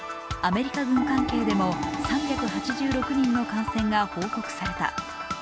アメリカ軍関係でも３８６人の感染が報告された。